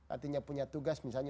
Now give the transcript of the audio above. artinya punya tugas misalnya